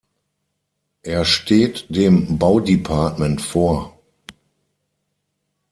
Er steht dem Baudepartement vor.